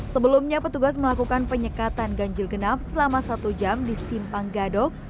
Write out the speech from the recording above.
sebelumnya petugas melakukan penyekatan ganjil genap selama satu jam di simpang gadok